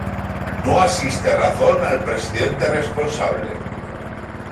No asiste razón al presidente responsable.